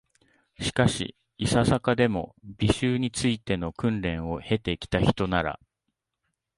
しかし、いささかでも、美醜に就いての訓練を経て来たひとなら、